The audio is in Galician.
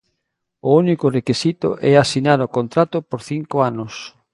O único requisito é asinar o contrato por cinco anos.